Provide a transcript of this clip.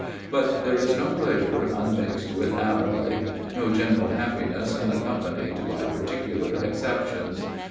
But there is no pleasure unmixed with alloy; no general happiness unaccompanied by particular exceptions.